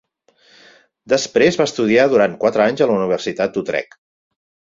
Després va estudiar durant quatre anys a la Universitat d'Utrecht.